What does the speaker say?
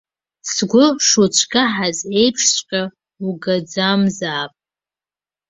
Сгәы шуцәкаҳаз еиԥшҵәҟьа угаӡамзаап.